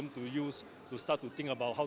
untuk mulai berpikir tentang cara membuat produk